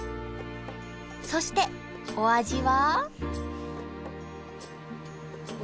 そしてお味は？